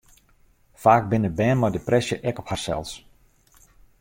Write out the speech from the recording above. Faak binne bern mei depresje ek op harsels.